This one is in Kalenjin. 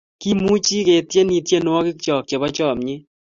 Kimuchi ketienie tienwogik cho chebo chamnyet